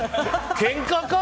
けんかか？